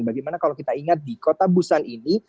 bagaimana kalau kita ingat di kota busan ini